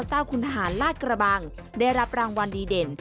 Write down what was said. เจ้าคุณทหารลาดกระบังได้รับรางวัลดีเด่น